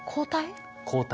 抗体？